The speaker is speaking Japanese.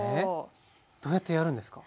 どうやってやるんですか？